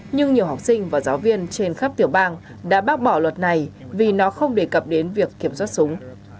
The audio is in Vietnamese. nhưng nhiều học sinh và giáo viên trên khắp tiểu bang đã bác bỏ luật này vì nó không đề cập đến việc kiểm soát súng